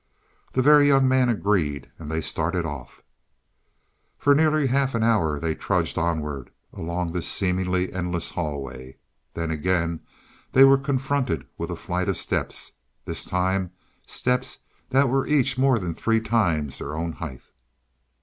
The Very Young Man agreed, and they started off. For nearly half an hour they trudged onward along this seemingly endless hallway. Then again they were confronted with a flight of steps this time steps that were each more than three times their own height.